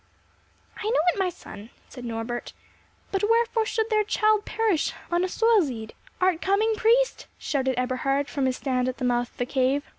"I know it, my son," said Norbert; "but wherefore should their child perish unassoilzied?" "Art coming, priest?" shouted Eberhard, from his stand at the mouth of the cave.